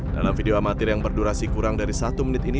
dalam video amatir yang berdurasi kurang dari satu menit ini